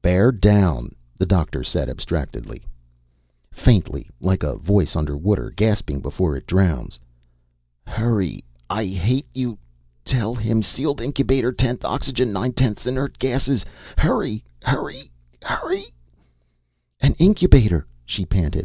"Bear down," the doctor said abstractedly. Faintly, like a voice under water, gasping before it drowns: Hurry I hate you tell him sealed incubator tenth oxygen nine tenths inert gases hurry hurry hurry "An incubator!" she panted.